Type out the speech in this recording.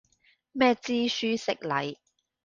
咩知書識禮